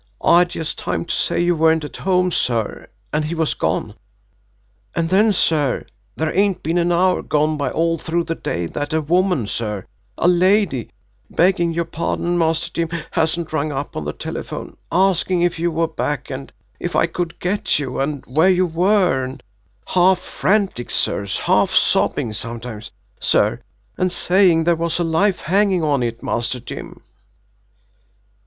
I had just time to say you weren't at home, sir, and he was gone. And then, sir, there ain't been an hour gone by all through the day that a woman, sir a lady, begging your pardon, Master Jim hasn't rung up on the telephone, asking if you were back, and if I could get you, and where you were, and half frantic, sir, half sobbing, sometimes, sir, and saying there was a life hanging on it, Master Jim."